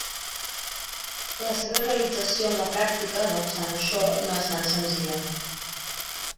La seva realització en la pràctica, no obstant això, no és tan senzilla.